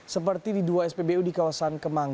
seperti di dua spbu di kawasan kemang